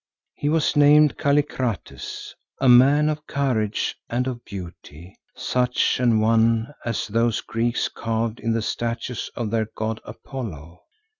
He was named Kallikrates, a man of courage and of beauty, such an one as those Greeks carved in the statues of their god Apollo.